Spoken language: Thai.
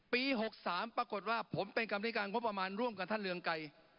๖๓ปรากฏว่าผมเป็นกรรมธิการงบประมาณร่วมกับท่านเรืองไกร